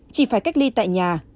chỉ phải cách ly tại nhà